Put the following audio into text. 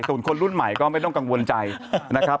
ส่วนคนรุ่นใหม่ก็ไม่ต้องกังวลใจนะครับ